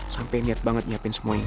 sampai niat banget nyiapin semua ini